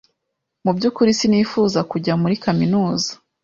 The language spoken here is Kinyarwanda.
Mu byukuri sinifuzaga kujya muri kaminuza.